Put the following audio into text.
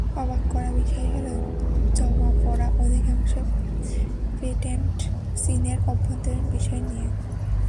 অবাক করা বিষয় হলো জমা পড়া অধিকাংশ পেটেন্ট চীনের অভ্যন্তরীণ বিষয় নিয়ে।